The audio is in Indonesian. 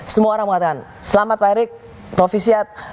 semua orang mengatakan selamat pak erick profisiat